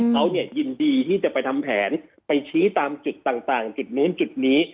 เขายินดีที่จะไปทำแผนไปชี้ตามจุดต่างจุดนู้นจุดนี้